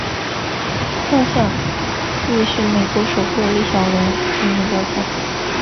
该雕像亦是美国首座李小龙纪念雕像。